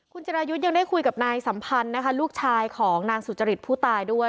คุณจิรายุทธ์ยังได้คุยกับนายสัมพันธ์นะคะลูกชายของนางสุจริตผู้ตายด้วย